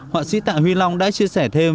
họa sĩ tạ huy long đã chia sẻ thêm